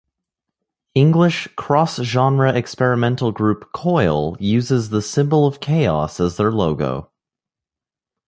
English cross-genre, experimental group Coil uses the Symbol of Chaos as their logo.